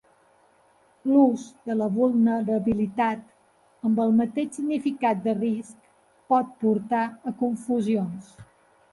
L'ús de la vulnerabilitat amb el mateix significat de risc pot portar a confusions.